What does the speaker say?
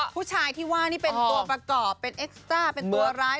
ผู้ชายที่ว่านี่เป็นตัวประกอบเป็นเอ็กซ์ตราเป็นตัวร้ายหรือเป็นอะไรคะ